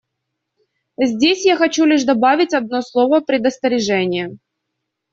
Здесь я хочу лишь добавить одно слово предостережения.